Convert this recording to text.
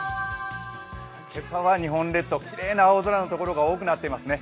今朝は日本列島、きれいな青空の所が多くなっていますね。